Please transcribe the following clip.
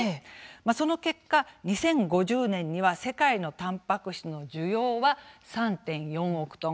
その結果２０５０年には世界のたんぱく質の需要は３．４目トン。